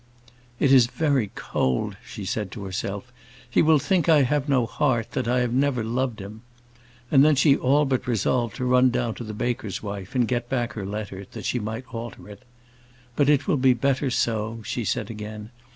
"It is very cold," she said to herself; "he will think I have no heart, that I have never loved him!" And then she all but resolved to run down to the baker's wife, and get back her letter, that she might alter it. "But it will be better so," she said again.